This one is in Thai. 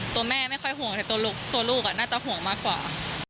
ตัวแม่ไม่ค่อยห่วงแต่ตัวลูกน่าจะห่วงมากกว่า